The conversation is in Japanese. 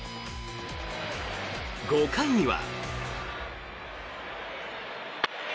５回には。